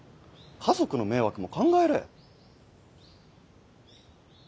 家族の迷惑も考えれ。